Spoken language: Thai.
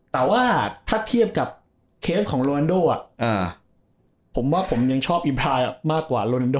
แต่ว่าถ้าเทียบกับเคสของโรนันโดผมว่าผมยังชอบอิมพลายมากกว่าโรนันโด